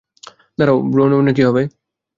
দাঁড়াও, ব্রোনউইনের কী হবে?